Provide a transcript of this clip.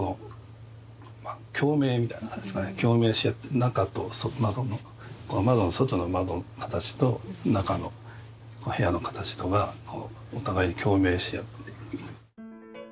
中と外の窓の形と中の部屋の形とがお互いに共鳴し合っている。